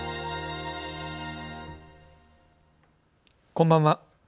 こんばんは。